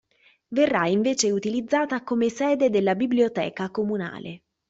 Verrà invece utilizzata come sede della biblioteca comunale.